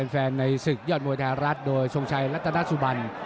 ในศึกยอดมวยไทยรัฐโดยทรงชัยรัตนสุบัน